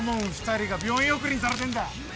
２人が病院送りにされてんだ。